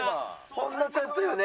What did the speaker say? ほんのちょっとよね。